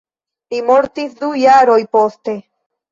Li mortis du jaroj poste.